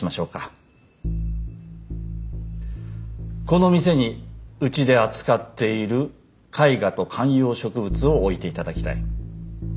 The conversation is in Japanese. この店にうちで扱っている絵画と観葉植物を置いていただきたい。